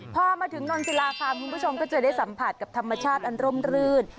พอมาถึงนนศิลาคามคุณผู้ชมก็จะได้สัมผัสกับธรรมชาติอันร่มรื่น